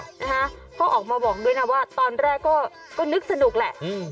นะคะเขาออกมาบอกด้วยว่าตอนแรกก็นึกสนุกแหละ